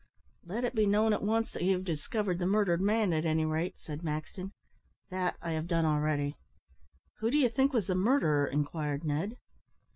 "Let it be known at once that you have discovered the murdered man at any rate," said Maxton. "That I have done already." "Who do you think was the murderer?" inquired Ned.